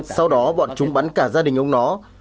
sau đó bọn chúng bắn cả gia đình ông nó